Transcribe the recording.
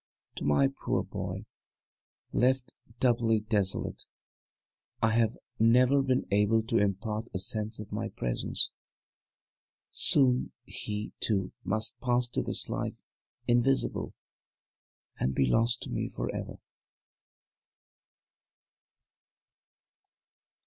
To my poor boy, left doubly desolate, I have never been able to impart a sense of my presence. Soon he, too, must pass to this Life Invisible and be lost to me for ever.